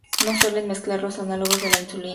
No se suelen mezclar los análogos de la insulina.